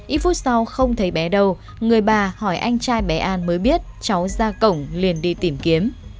ít phút sau không thấy bé đâu người bà hỏi anh trai bé an mới biết cháu ra cổng liền đi tìm kiếm